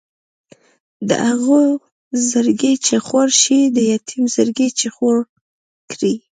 د هغو زړګی چې خور شي د یتیم زړګی چې خور کړي.